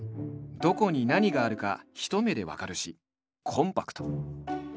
どこに何があるか一目で分かるしコンパクト。